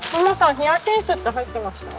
ヒヤシンスって入ってました？